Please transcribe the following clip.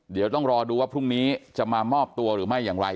เดี๋ยวต้องรอดูว่าพรุ่งนี้จะมามอบตัวหรือไม่อย่างไร